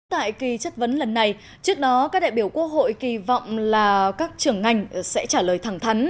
tại kỳ chất vấn lần này trước đó các đại biểu quốc hội kỳ vọng là các trưởng ngành sẽ trả lời thẳng thắn